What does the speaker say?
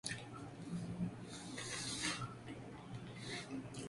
Se construyó además una personalidad propia y común para todos los restaurantes.